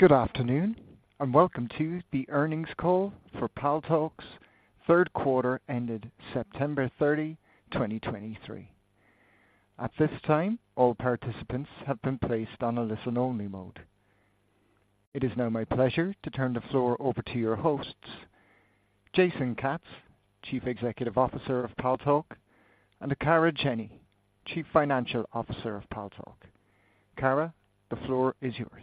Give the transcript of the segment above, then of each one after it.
Good afternoon, and welcome to the earnings call for Paltalk's third quarter ended September 30, 2023. At this time, all participants have been placed on a listen-only mode. It is now my pleasure to turn the floor over to your hosts, Jason Katz, Chief Executive Officer of Paltalk, and to Kara Jenny, Chief Financial Officer of Paltalk. Kara, the floor is yours.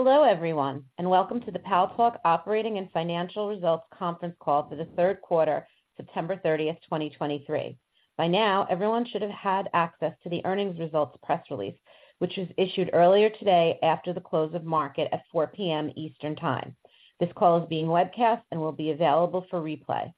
Hello, everyone, and welcome to the Paltalk Operating and Financial Results conference call for the third quarter, September 30th, 2023. By now, everyone should have had access to the earnings results press release, which was issued earlier today after the close of market at 4:00 P.M. Eastern Time. This call is being webcast and will be available for replay.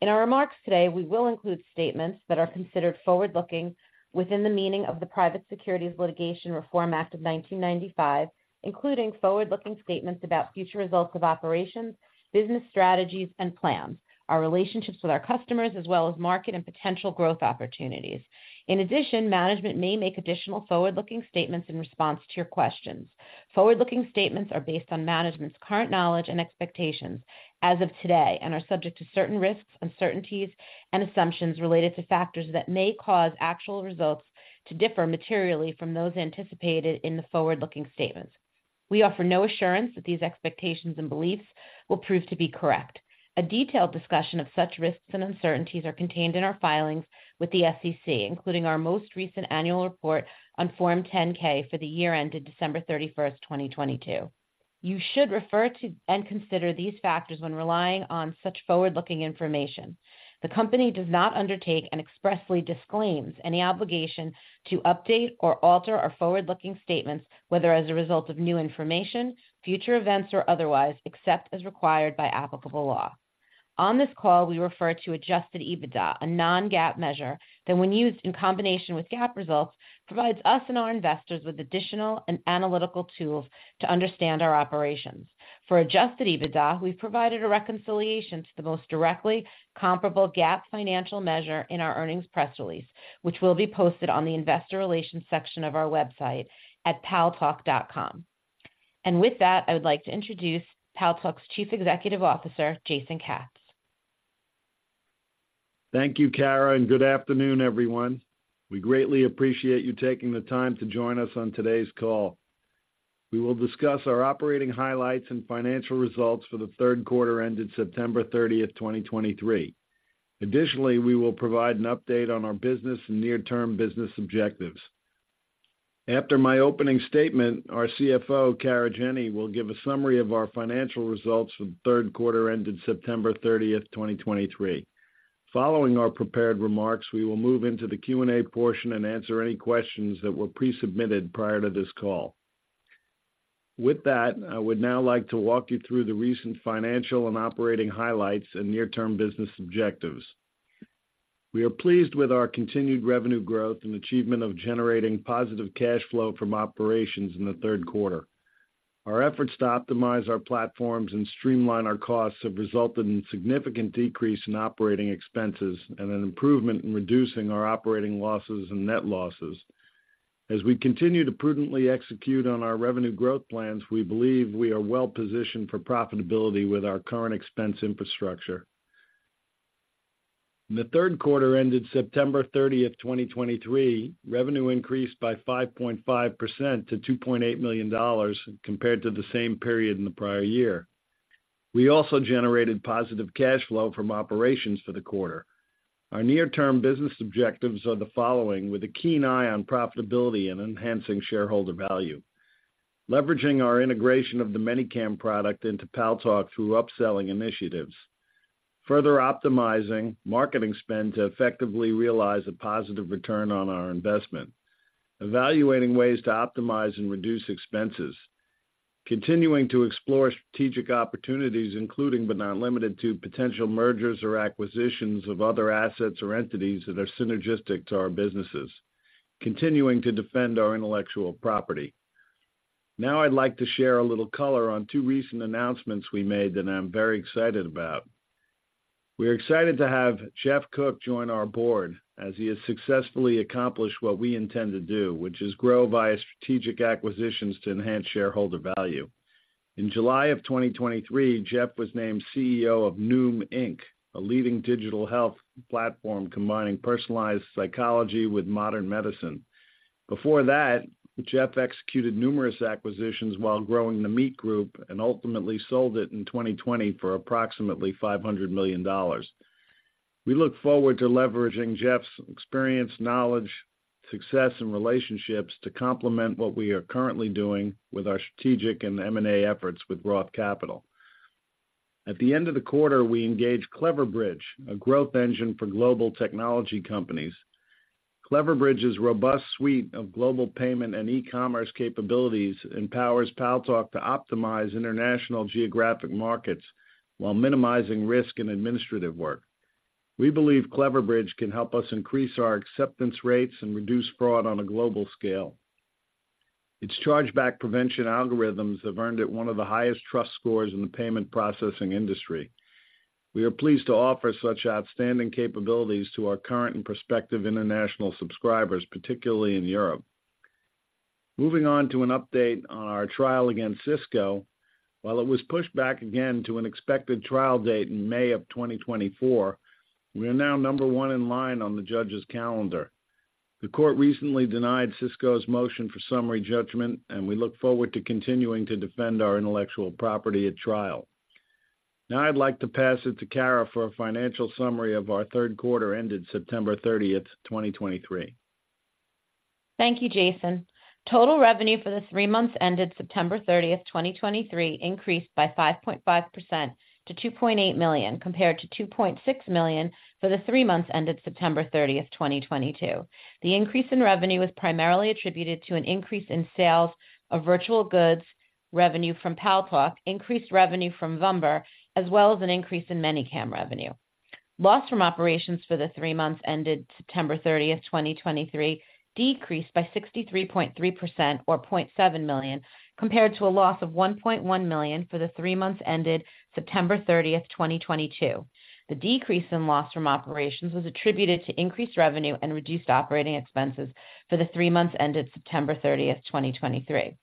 In our remarks today, we will include statements that are considered forward-looking within the meaning of the Private Securities Litigation Reform Act of 1995, including forward-looking statements about future results of operations, business strategies, and plans, our relationships with our customers, as well as market and potential growth opportunities. In addition, management may make additional forward-looking statements in response to your questions. Forward-looking statements are based on management's current knowledge and expectations as of today and are subject to certain risks, uncertainties, and assumptions related to factors that may cause actual results to differ materially from those anticipated in the forward-looking statements. We offer no assurance that these expectations and beliefs will prove to be correct. A detailed discussion of such risks and uncertainties are contained in our filings with the SEC, including our most recent annual report on Form 10-K for the year ended December 31st, 2022. You should refer to and consider these factors when relying on such forward-looking information. The company does not undertake and expressly disclaims any obligation to update or alter our forward-looking statements, whether as a result of new information, future events, or otherwise, except as required by applicable law. On this call, we refer to Adjusted EBITDA, a non-GAAP measure, that when used in combination with GAAP results, provides us and our investors with additional and analytical tools to understand our operations. For Adjusted EBITDA, we've provided a reconciliation to the most directly comparable GAAP financial measure in our earnings press release, which will be posted on the investor relations section of our website at paltalk.com. With that, I would like to introduce Paltalk's Chief Executive Officer, Jason Katz. Thank you, Kara, and good afternoon, everyone. We greatly appreciate you taking the time to join us on today's call. We will discuss our operating highlights and financial results for the third quarter ended September 30th, 2023. Additionally, we will provide an update on our business and near-term business objectives. After my opening statement, our CFO, Kara Jenny, will give a summary of our financial results for the third quarter ended September 30th, 2023. Following our prepared remarks, we will move into the Q&A portion and answer any questions that were pre-submitted prior to this call. With that, I would now like to walk you through the recent financial and operating highlights and near-term business objectives. We are pleased with our continued revenue growth and achievement of generating positive cash flow from operations in the third quarter. Our efforts to optimize our platforms and streamline our costs have resulted in significant decrease in operating expenses and an improvement in reducing our operating losses and net losses. As we continue to prudently execute on our revenue growth plans, we believe we are well positioned for profitability with our current expense infrastructure. In the third quarter ended September 30th, 2023, revenue increased by 5.5% to $2.8 million compared to the same period in the prior year. We also generated positive cash flow from operations for the quarter. Our near-term business objectives are the following, with a keen eye on profitability and enhancing shareholder value: leveraging our integration of the ManyCam product into Paltalk through upselling initiatives, further optimizing marketing spend to effectively realize a positive return on our investment, evaluating ways to optimize and reduce expenses, continuing to explore strategic opportunities, including but not limited to, potential mergers or acquisitions of other assets or entities that are synergistic to our businesses, continuing to defend our intellectual property. Now I'd like to share a little color on two recent announcements we made that I'm very excited about. We are excited to have Geoff Cook join our board as he has successfully accomplished what we intend to do, which is grow via strategic acquisitions to enhance shareholder value. In July of 2023, Geoff was named CEO of Noom, Inc., a leading digital health platform combining personalized psychology with modern medicine. Before that, Geoff executed numerous acquisitions while growing The Meet Group and ultimately sold it in 2020 for approximately $500 million. We look forward to leveraging Geoff's experience, knowledge, success, and relationships to complement what we are currently doing with our strategic and M&A efforts with Roth Capital. At the end of the quarter, we engaged Cleverbridge, a growth engine for global technology companies. Cleverbridge's robust suite of global payment and e-commerce capabilities empowers Paltalk to optimize international geographic markets while minimizing risk and administrative work. We believe Cleverbridge can help us increase our acceptance rates and reduce fraud on a global scale. Its chargeback prevention algorithms have earned it one of the highest trust scores in the payment processing industry. We are pleased to offer such outstanding capabilities to our current and prospective international subscribers, particularly in Europe. Moving on to an update on our trial against Cisco. While it was pushed back again to an expected trial date in May of 2024, we are now number one in line on the judge's calendar. The court recently denied Cisco's motion for summary judgment, and we look forward to continuing to defend our intellectual property at trial. Now I'd like to pass it to Kara for a financial summary of our third quarter ended September 30th, 2023. Thank you, Jason. Total revenue for the three months ended September 30th, 2023, increased by 5.5% to $2.8 million, compared to $2.6 million for the three months ended September 30th, 2022. The increase in revenue was primarily attributed to an increase in sales of virtual goods, revenue from Paltalk, increased revenue from Vumber, as well as an increase in ManyCam revenue. Loss from operations for the three months ended September 30th, 2023, decreased by 63.3% or $0.7 million, compared to a loss of $1.1 million for the three months ended September 30th, 2022. The decrease in loss from operations was attributed to increased revenue and reduced operating expenses for the three months ended September 30th, 2023.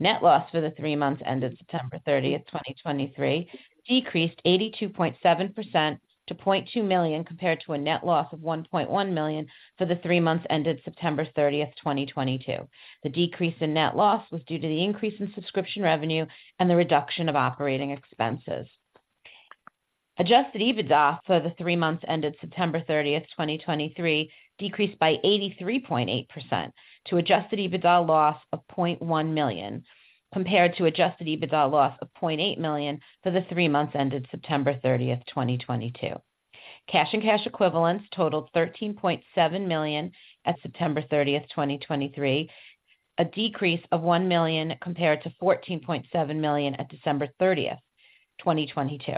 Net loss for the three months ended September 30th, 2023, decreased 82.7% to $0.2 million, compared to a net loss of $1.1 million for the three months ended September 30th, 2022. The decrease in net loss was due to the increase in subscription revenue and the reduction of operating expenses. Adjusted EBITDA for the three months ended September 30th, 2023, decreased by 83.8% to Adjusted EBITDA loss of $0.1 million, compared to Adjusted EBITDA loss of $0.8 million for the three months ended September 30th, 2022. Cash and cash equivalents totaled $13.7 million at September 30th, 2023, a decrease of $1 million compared to $14.7 million at December 30th, 2022,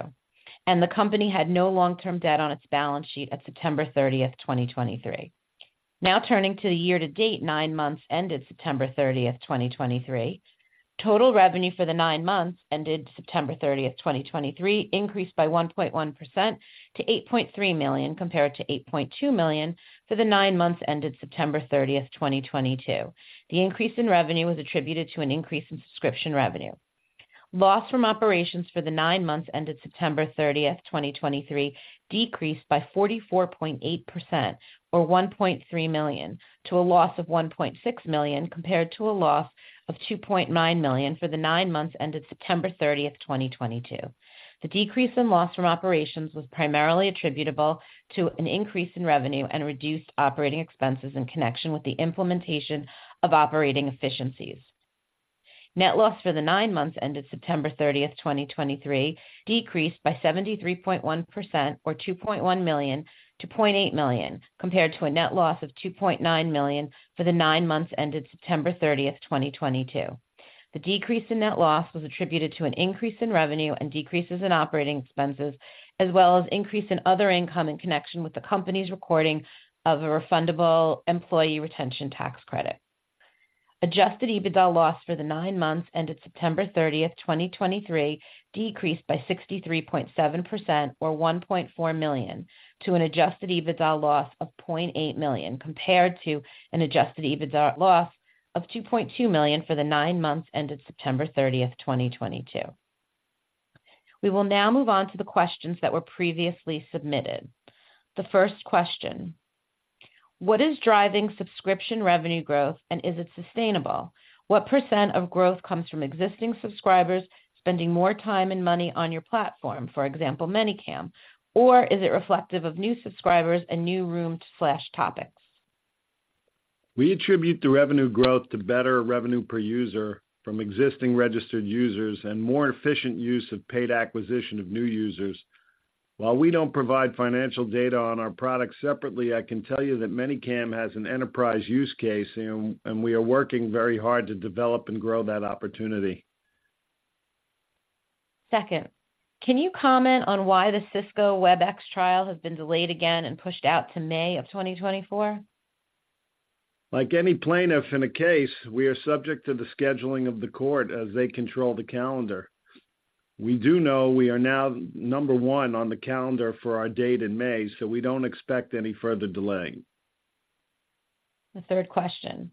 and the company had no long-term debt on its balance sheet at September 30th, 2023. Now turning to the year-to-date nine months ended September 30th, 2023. Total revenue for the nine months ended September 30th, 2023, increased by 1.1% to $8.3 million, compared to $8.2 million for the nine months ended September 30th, 2022. The increase in revenue was attributed to an increase in subscription revenue. Loss from operations for the nine months ended September 30th, 2023, decreased by 44.8% or $1.3 million, to a loss of $1.6 million, compared to a loss of $2.9 million for the nine months ended September 30th, 2022. The decrease in loss from operations was primarily attributable to an increase in revenue and reduced operating expenses in connection with the implementation of operating efficiencies. Net loss for the nine months ended September 30th, 2023, decreased by 73.1% or $2.1 million to $0.8 million, compared to a net loss of $2.9 million for the nine months ended September 30th, 2022. The decrease in net loss was attributed to an increase in revenue and decreases in operating expenses, as well as increase in other income in connection with the company's recording of a refundable employee retention tax credit. Adjusted EBITDA loss for the nine months ended September 30th, 2023, decreased by 63.7% or $1.4 million to an Adjusted EBITDA loss of $0.8 million, compared to an Adjusted EBITDA loss of $2.2 million for the nine months ended September 30th, 2022. We will now move on to the questions that were previously submitted. The first question: What is driving subscription revenue growth, and is it sustainable? What % of growth comes from existing subscribers spending more time and money on your platform, for example, ManyCam, or is it reflective of new subscribers and new rooms/topics? We attribute the revenue growth to better revenue per user from existing registered users and more efficient use of paid acquisition of new users. While we don't provide financial data on our products separately, I can tell you that ManyCam has an enterprise use case, and we are working very hard to develop and grow that opportunity. Second, can you comment on why the Cisco Webex trial has been delayed again and pushed out to May of 2024? Like any plaintiff in a case, we are subject to the scheduling of the court as they control the calendar. We do know we are now number one on the calendar for our date in May, so we don't expect any further delay. The third question: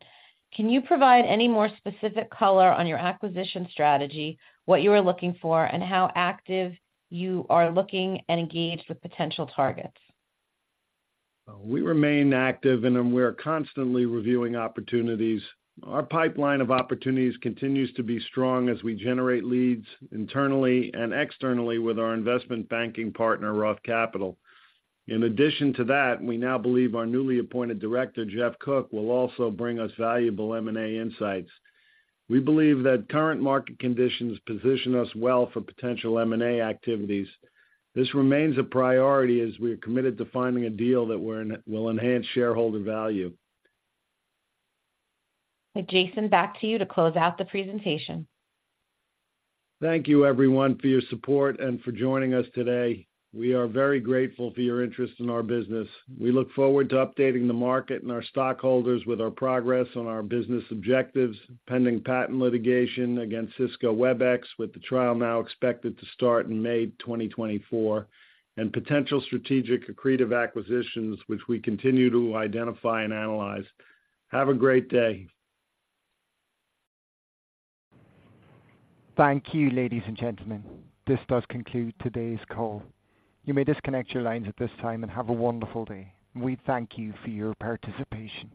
Can you provide any more specific color on your acquisition strategy, what you are looking for, and how active you are looking and engaged with potential targets? We remain active, and then we are constantly reviewing opportunities. Our pipeline of opportunities continues to be strong as we generate leads internally and externally with our investment banking partner, Roth Capital. In addition to that, we now believe our newly appointed director, Geoff Cook, will also bring us valuable M&A insights. We believe that current market conditions position us well for potential M&A activities. This remains a priority as we are committed to finding a deal that will enhance shareholder value. Jason, back to you to close out the presentation. Thank you, everyone, for your support and for joining us today. We are very grateful for your interest in our business. We look forward to updating the market and our stockholders with our progress on our business objectives, pending patent litigation against Cisco Webex, with the trial now expected to start in May 2024, and potential strategic accretive acquisitions, which we continue to identify and analyze. Have a great day! Thank you, ladies and gentlemen. This does conclude today's call. You may disconnect your lines at this time and have a wonderful day. We thank you for your participation.